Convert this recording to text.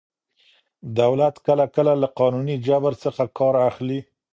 دولت کله کله له قانوني جبر څخه کار اخلي.